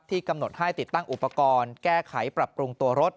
กำหนดให้ติดตั้งอุปกรณ์แก้ไขปรับปรุงตัวรถ